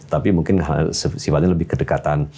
tapi mungkin sifatnya lebih kedekatan